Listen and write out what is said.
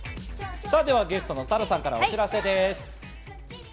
では、ゲストの沙羅さんからお知らせです。